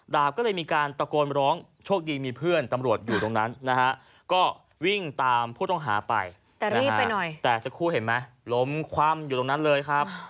แต่สักครู่เห็นไหมล้มคว่ำอยู่ตรงนั้นเลยครับ